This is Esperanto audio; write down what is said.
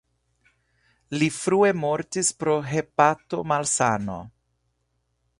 Li frue mortis pro hepatomalsano.